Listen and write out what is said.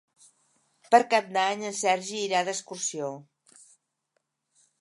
Per Cap d'Any en Sergi irà d'excursió.